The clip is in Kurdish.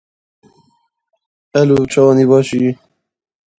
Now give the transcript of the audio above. Hin lawir hem goşt hem jî şînatiyan dixwin.